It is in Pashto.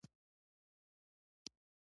بدرنګه اندام زړه تنګوي